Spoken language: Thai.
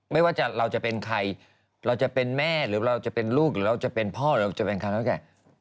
ไม่ว่าเราจะเป็นใครเราจะเป็นแม่หรือเราจะเป็นลูกหรือเราจะเป็นพ่อเราจะเป็นใครแล้วแต่